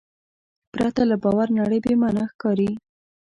پرته له باور نړۍ بېمانا ښکاري.